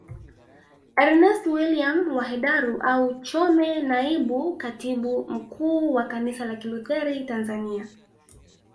Ernest William wa Hedaru au Chome Naibu Katibu Mkuu wa kanisa la kilutheri Tanzania